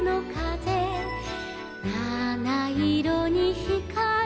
「なないろにひかる」